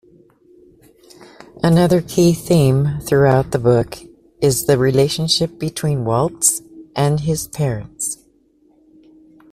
Another key theme throughout the book is the relationship between Waltz and his parents.